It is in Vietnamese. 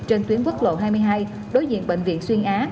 trên tuyến quốc lộ hai mươi hai đối diện bệnh viện xuyên á